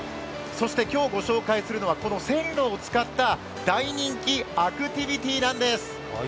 今日ご紹介するのはこの線路を使った大人気アクティビティーなんです。